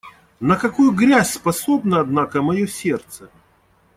На какую грязь способно, однако, мое сердце!